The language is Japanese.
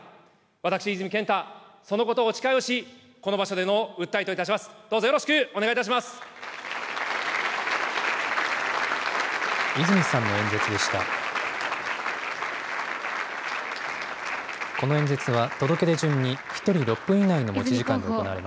私、泉健太、そのことをお誓いをし、この場所での訴えといたします。